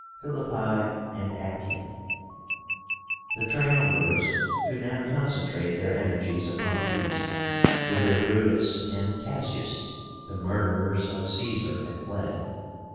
PHILIPPI AND ACTIUM. The Triumvirs could now concentrate their energies upon the East, whither BRUTUS and CASSIUS, the murderers of Caesar, had fled.